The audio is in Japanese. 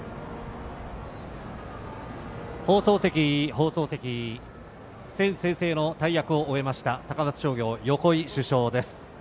放送席、選手宣誓の大役を終えました高松商業、横井主将です。